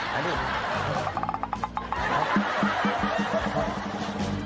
แมรี่หมอบ